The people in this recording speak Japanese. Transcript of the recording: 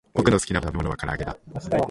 ぼくのすきなたべものはからあげだ